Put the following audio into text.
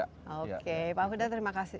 oke pak huda terima kasih